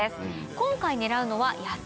今回狙うのは野鳥。